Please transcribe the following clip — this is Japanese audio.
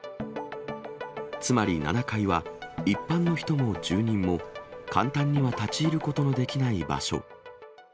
つまり７階は、一般の人も住人も、簡単には立ち入ることのできない場所。